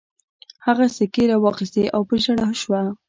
هغې سيکې را واخيستې او په ژړا شوه.